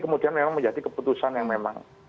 kemudian memang menjadi keputusan yang memang